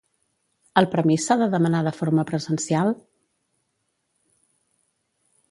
El permís s'ha de demanar de forma presencial?